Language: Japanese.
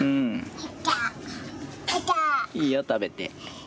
いいよ食べて。